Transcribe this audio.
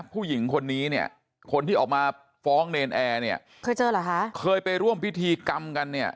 ผู้หญิงคนนี้เนี่ยคนที่ออกมาฟ้องเนรนแอร์เนี่ยเคยเจอเหรอคะเคยไปร่วมพิธีกรรมกันเนี่ย